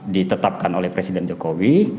ditetapkan oleh presiden jokowi